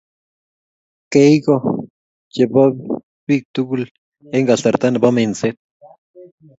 Keiko chopog pig tukul en kasarta nepo minset.